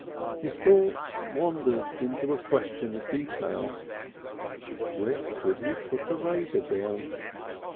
His thoughts wandered into a question of detail. Where could he have put the razor down?